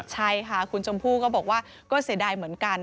ใช่ค่ะคุณชมพู่ก็บอกว่าก็เสียดายเหมือนกัน